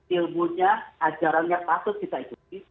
ilmunya ajarannya patut kita ikuti